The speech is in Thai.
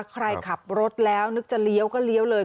ใครขับรถแล้วนึกจะเลี้ยวก็เลี้ยวเลย